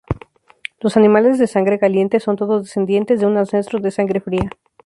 Los animales de sangre caliente son todos descendientes de un ancestro de sangre fría.